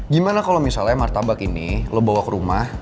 gimana kalo martabak ini lo bawa ke rumah